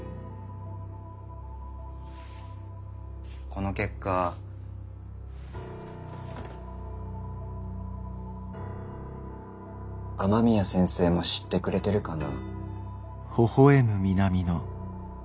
この結果雨宮先生も知ってくれてるかな？